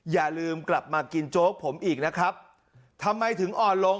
อย่าลืมกลับมากินโจ๊กผมอีกนะครับทำไมถึงอ่อนลง